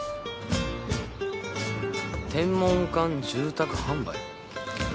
「天文館住宅販売」？